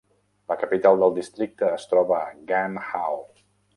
La capital del districte es troba a Gành Hào.